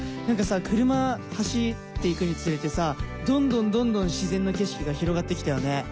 なんかさ車走っていくにつれてさどんどんどんどん自然の景色が広がってきたよね。